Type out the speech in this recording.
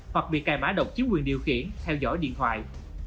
hoặc bị cài mã độc chiếm quyền điều khiển theo dõi điện thoại